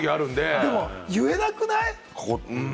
でも言えなくない？